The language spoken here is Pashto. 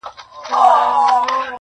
نو گراني ته چي زما قدم باندي.